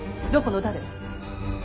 どこの誰。